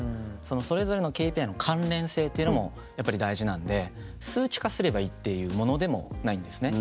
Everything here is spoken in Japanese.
それぞれのＫＰＩの関連性っていうのもやっぱり大事なんで数値化すればいいっていうものでもないんですね。